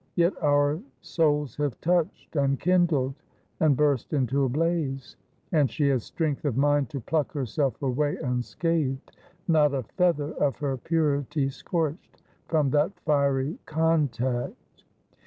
Yet our souls have touched, and kindled, and burst into a blaze ; and she has strength of mind to pluck her self away unscathed, not a feather of her purity scorched, from that fiery contact.'